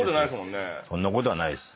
そんなことはないです。